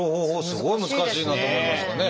すごい難しいなと思いますがね。